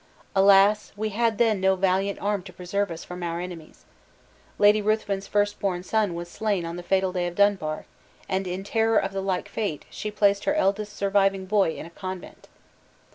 Alas! we had then no valiant arm to preserve us from our enemies! Lady Ruthven's first born son was slain in the fatal day of Dunbar, and in terror of the like fate, she placed her eldest surviving boy in a convent.